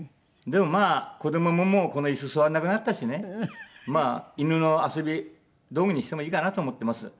でもまあ子どもももうこの椅子座らなくなったしねまあ犬の遊び道具にしてもいいかなと思ってます。